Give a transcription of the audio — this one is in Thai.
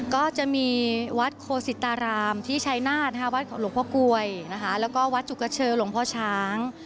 ก็จะมีวัดโคสิตารามที่ชายนาฏวัดของหลวงพ่อกลวยนะคะแล้วก็วัดจุกเชอหลวงพ่อช้าง